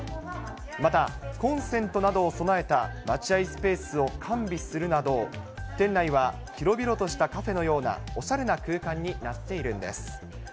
また、コンセントなどを備えた待ち合いスペースを完備するなど、店内は広々としたカフェのようなおしゃれな空間になっているんです。